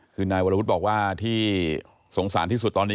คือนายวรวุฒิบอกว่าที่สงสารที่สุดตอนนี้